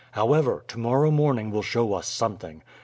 However, to morrow morning will show us something.